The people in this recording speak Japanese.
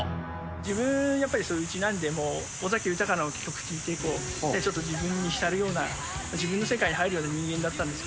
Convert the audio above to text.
自分やっぱり尾崎豊の曲を聴いて、ちょっと自分にひたるような、自分の世界に入るような人間だっ